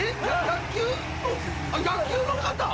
野球の方？